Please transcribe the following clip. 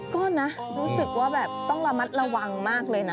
ก็นะรู้สึกว่าแบบต้องระมัดระวังมากเลยนะ